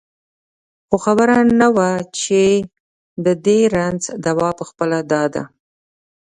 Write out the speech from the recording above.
خو خبره نه وه چې د دې رنځ دوا پخپله دا ده.